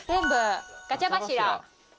ガチャ柱。